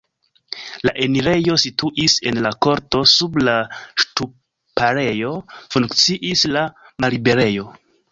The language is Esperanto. La enirejo situis en la korto, sub la ŝtuparejo funkciis la malliberejo.